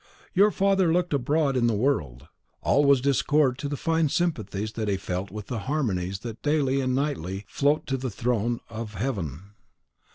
Your father looked abroad in the world; all was discord to the fine sympathies that he felt with the harmonies that daily and nightly float to the throne of Heaven.